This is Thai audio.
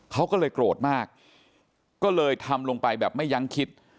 เขาก็เลยโกรธมากก็เลยทำลงไปแบบไม่ยั้งคิด